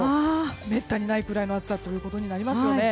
めったにないくらいの暑さとなりますよね。